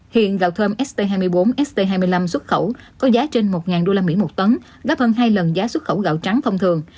hiện gạo thơm st hai mươi bốn st hai mươi năm xuất khẩu có giá trên một usd một tấn gấp hơn hai lần giá xuất khẩu gạo trắng thông thường